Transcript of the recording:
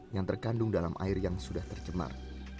yang terkandung dalam air yang sudah tercemar